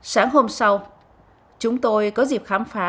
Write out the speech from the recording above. sáng hôm sau chúng tôi có dịp khám phá